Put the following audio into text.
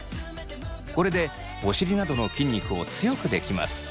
これでお尻などの筋肉を強くできます。